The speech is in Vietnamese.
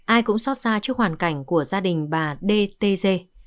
ai cũng xót xa trước hoàn cảnh của gia đình bà dê tê dê